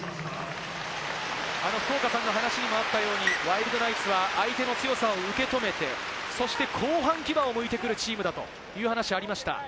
福岡さんの話にもあったようにワイルドナイツは相手の強さを受け止めて、そして後半、牙を剥いてくるチームだという話がありました。